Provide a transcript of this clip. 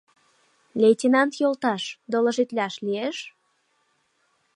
— Лейтенант йолташ, доложитлаш лиеш?